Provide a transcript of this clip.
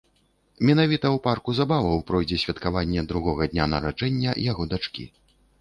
Менавіта ў парку забаваў пройдзе святкаванне другога дня нараджэння яго дачкі.